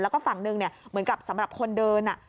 แล้วก็ฝั่งหนึ่งเหมือนกับสำหรับคนเดิน